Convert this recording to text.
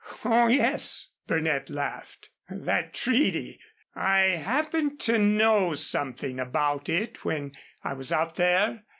"Oh, yes," Burnett laughed, "that treaty. I happened to know something about it when I was out there.